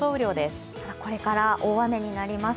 これから大雨になります。